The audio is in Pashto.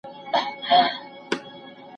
زغم مې په ژوند کې د بریا تر ټولو روښانه لاره ده.